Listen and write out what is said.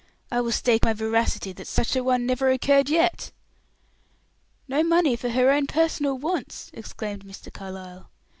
"I will stake my veracity that such a one never occurred yet." "No money for her own personal wants!" exclaimed Mr. Carlyle.